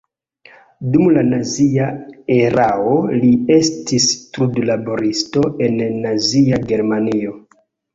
Dum la nazia erao li estis trudlaboristo en Nazia Germanio.